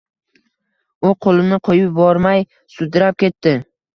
U qo‘limni qo‘yib yubormay, sudrab ketdi.